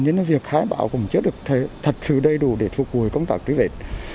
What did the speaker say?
nhưng việc khai báo cũng chưa được thật sự đầy đủ để phục vụ công tác truy vết